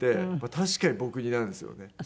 確かに僕似なんですよね。